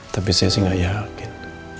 tapi saya sih nggak yakin